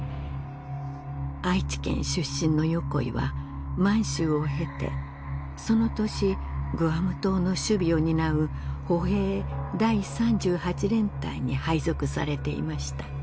愛知県出身の横井は満洲を経てその年グアム島の守備を担う歩兵第３８連隊に配属されていました